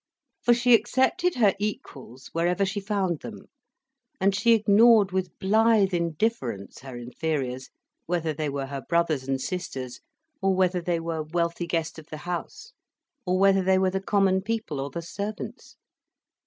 For she accepted her equals wherever she found them, and she ignored with blithe indifference her inferiors, whether they were her brothers and sisters, or whether they were wealthy guests of the house, or whether they were the common people or the servants.